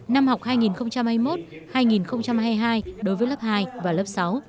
năm học hai nghìn hai mươi một hai nghìn hai mươi hai đối với lớp hai và lớp sáu